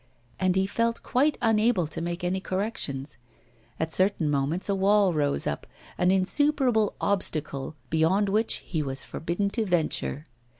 And he felt quite unable to make any corrections; at certain moments a wall rose up, an insuperable obstacle, beyond which he was forbidden to venture.